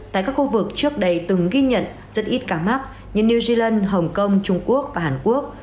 tại các khu vực trước đây từng ghi nhận rất ít ca mắc như new zealand hồng kông trung quốc và hàn quốc